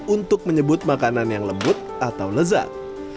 untuk menyebut makanan yang lembut atau lezat